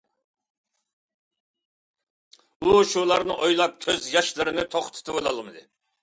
ئۇ شۇلارنى ئويلاپ كۆز ياشلىرىنى توختىتىۋالالمىدى.